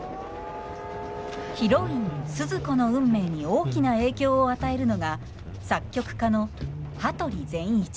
ヒロインスズ子の運命に大きな影響を与えるのが作曲家の羽鳥善一。